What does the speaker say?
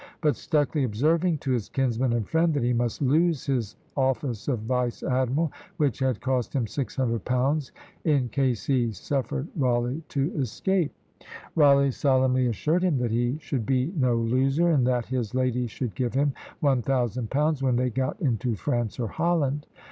But Stucley observing to his kinsman and friend, that he must lose his office of vice admiral, which had cost him six hundred pounds, in case he suffered Rawleigh to escape; Rawleigh solemnly assured him that he should be no loser, and that his lady should give him one thousand pounds when they got into France or Holland.